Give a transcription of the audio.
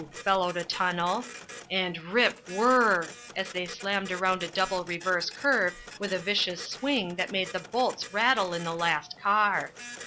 bellowed a tunnel. And rip, whrrr! as they slammed around a double reverse curve with a vicious swing that made the bolts rattle in the last car.